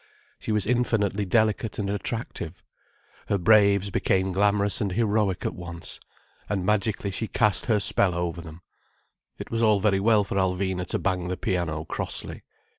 She was infinitely delicate and attractive. Her braves became glamorous and heroic at once, and magically she cast her spell over them. It was all very well for Alvina to bang the piano crossly.